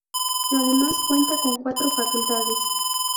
Además cuenta con cuatro facultades.